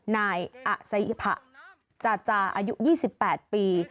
นายอาศรภจะอายุ๒๘ปี